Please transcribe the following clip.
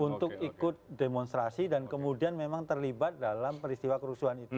untuk ikut demonstrasi dan kemudian memang terlibat dalam peristiwa kerusuhan itu